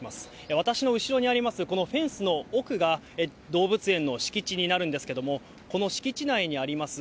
私の後ろにあります、このフェンスの奥が、動物園の敷地になるんですけれども、この敷地内にあります